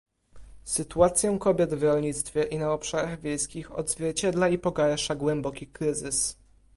Sytuację kobiet w rolnictwie i na obszarach wiejskich odzwierciedla i pogarsza głęboki kryzys